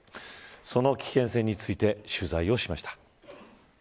その危険性について取材をしました。